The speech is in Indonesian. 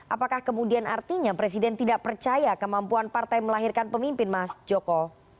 apakah kemudian artinya presiden tidak percaya kemampuan partai melahirkan pemimpin mas joko